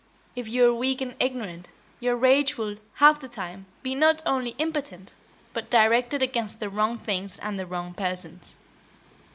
If you are weak and ignorant, your rage will, half the time, be not only impotent, but directed against the wrong things and the wrong persons.